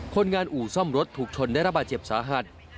คนงานอู่ซ่อมรถถูกชนได้รับบาดเจ็บสาหัส